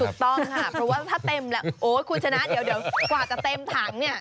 ถูกต้องค่ะเพราะว่าถ้าเต็มแล้วโอ๊ยคุณชนะเดี๋ยวกว่าจะเต็มถังเนี่ย